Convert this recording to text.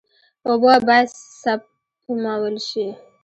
اوبه باید سپمول شي.